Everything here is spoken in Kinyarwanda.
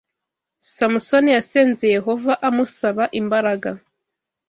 Samusoni yasenze Yehova amusaba imbaraga